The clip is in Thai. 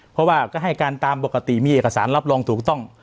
เพราะว่าก็ให้การตามปกติมีเอกสารรับรองถูกต้อง